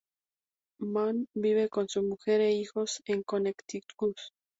Mann vive con su mujer e hijos en Connecticut.